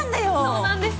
そうなんです。